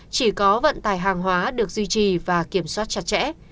chỉ có vận tải hàng hóa được duy trì và kiểm soát chặt chẽ